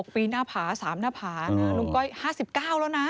ปีหน้าผา๓หน้าผานะลุงก้อย๕๙แล้วนะ